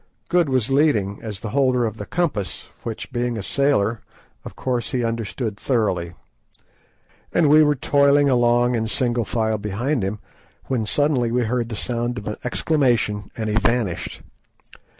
Good was leading, as the holder of the compass, which, being a sailor, of course he understood thoroughly, and we were toiling along in single file behind him, when suddenly we heard the sound of an exclamation, and he vanished.